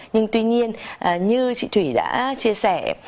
nhưng tuy nhiên như chị thủy đã chia sẻ